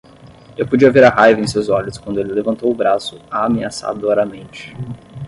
Eu podia ver a raiva em seus olhos quando ele levantou o braço ameaçadoramente.